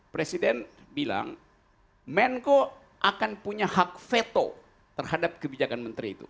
presiden bilang menko akan punya hak veto terhadap kebijakan menteri itu